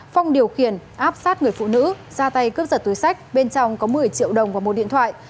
phong điều khiển áp sát người phụ nữ ra tay cướp giật túi sách bên trong có một mươi triệu đồng và một điện thoại